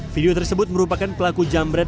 video tersebut merupakan pelaku jambret